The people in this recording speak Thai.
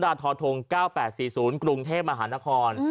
ดรธธ๙๘๔๐กรุงเทพฯมหานคร